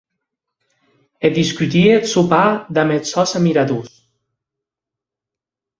E discutie eth sopar damb es sòns admiradors.